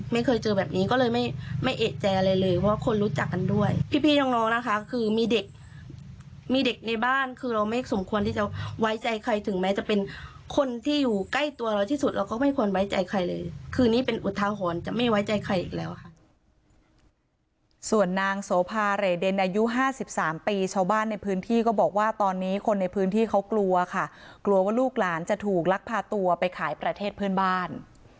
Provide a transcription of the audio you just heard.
มีเด็กมีเด็กในบ้านคือเราไม่สมควรที่จะไว้ใจใครถึงแม้จะเป็นคนที่อยู่ใกล้ตัวเราที่สุดเราก็ไม่ควรไว้ใจใครเลยคืนนี้เป็นอุทาหรณ์จะไม่ไว้ใจใครอีกแล้วค่ะส่วนนางโสภาเรดินอายุ๕๓ปีชาวบ้านในพื้นที่ก็บอกว่าตอนนี้คนในพื้นที่เขากลัวค่ะกลัวว่าลูกหลานจะถูกลักพาตัวไปขายประเทศเพื่อนบ้าน